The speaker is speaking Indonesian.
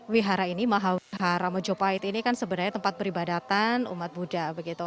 wihara ini mahawara mojopahit ini kan sebenarnya tempat peribadatan umat buddha begitu